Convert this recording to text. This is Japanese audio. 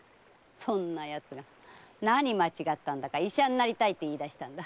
そんな奴が何間違ったんだか医者になりたいって言い出して。